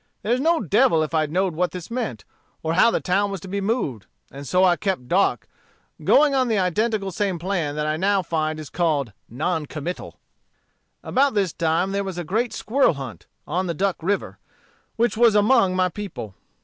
There's no devil if I know'd what this meant, or how the town was to be moved. And so I kept dark, going on the identical same plan that I now find is called non committal. "About this time there was a great squirrel hunt, on Duck River, which was among my people.